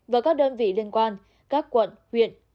và các đơn vị liên quan các quận huyện